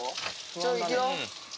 ちょっといくよ。